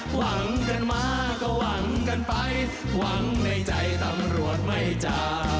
หวังกันมาก็หวังกันไปหวังในใจตำรวจไม่จ้า